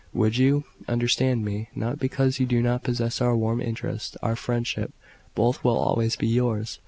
"Would you?" "Understand me. Not because you do not possess our warm interest, our friendship: both will always be yours.